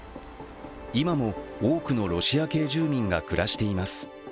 今も多くのロシア系住民が暮らしています。